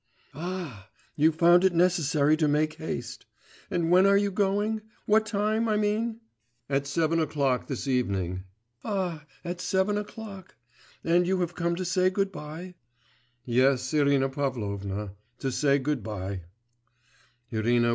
'Ah! you found it necessary to make haste. And when are you going? What time, I mean?' 'At seven o'clock this evening.' 'Ah! at seven o'clock! And you have come to say good bye?' 'Yes, Irina Pavlovna, to say good bye.